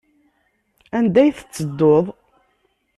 Anda ay tettedduḍ?